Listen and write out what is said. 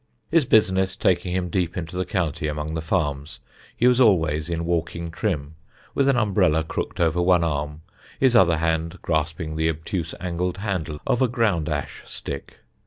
His business taking him deep into the county among the farms, he was always in walking trim, with an umbrella crooked over one arm, his other hand grasping the obtuse angled handle of a ground ash stick.